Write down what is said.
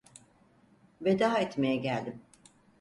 Veda etmeye geldim.